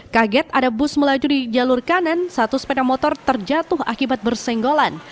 kaget ada bus melaju di jalur kanan satu sepeda motor terjatuh akibat bersenggolan